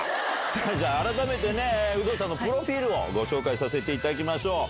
じゃあ、改めて有働さんのプロフィールをご紹介させていただきましょう。